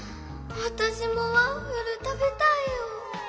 わたしもワッフルたべたいよ！